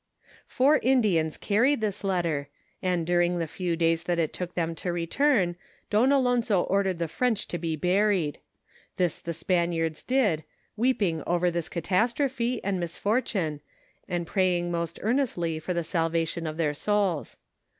Four Indiana carried thia letter, and durinj^ tho few days that it took them to return, Don Alonso ordered the French to be buried ; this tho Spaniards did, weeping over this catastrophe, and misfortune, and praying most earnestly for tlie salvation of their souls.